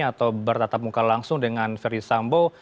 atau bertatap muka langsung dengan ferry sambo